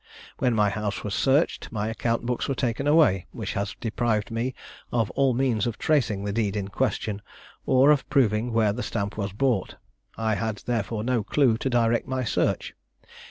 When my house was searched, my account books were taken away, which has deprived me of all means of tracing the deed in question, or of proving where the stamp was bought; I had therefore no clue to direct my search.